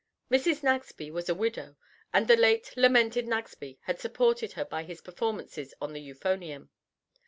Mrs. Nagsby was a widow, and the late lamented Nagsby had supported her by his performances on the euphonium.